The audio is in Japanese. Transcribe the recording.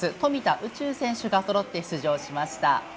宇宙選手がそろって出場しました。